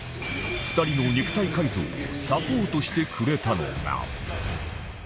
２人の肉体改造をサポートしてくれたのが